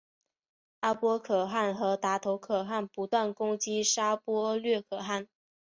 阿波可汗和达头可汗不断攻击沙钵略可汗。